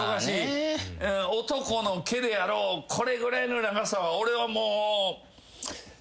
男の毛であろうこれぐらいの長さは俺はもう。